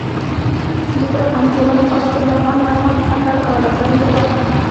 دوی د افغاني ټولنې قالب ته یې د افغان وطن خټه ور اچولې وه.